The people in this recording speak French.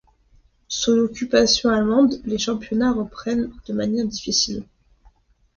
Sous l'occupation allemande, les championnats reprennent de manière difficile.